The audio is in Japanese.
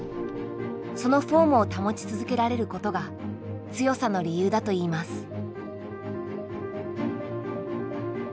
そのフォームを保ち続けられることが強さの理由だといいます。